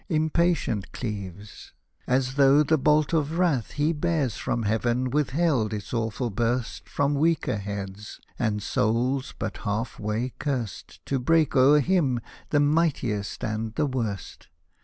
Impatient cleaves, as though the bolt of wrath He bears from Heaven withheld its awful burst From weaker heads, and souls but half way curst. To break o'er Him, the mightiest and the worst